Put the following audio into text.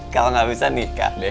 kalau nggak bisa nikah deh